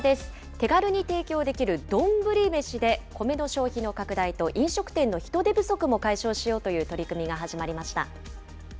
手軽に提供できる丼めしでコメの消費の拡大と飲食店の人手不足も解消しようという取り組みが始まりました。